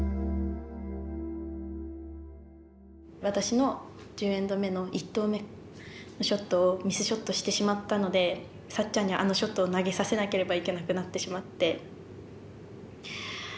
私の１０エンド目の１投目のショットをミスショットしてしまったのでさっちゃんにあのショットを投げさせなければいけなくなってしまって。